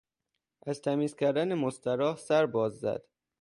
از تمیز کردن مستراح سرباز زد.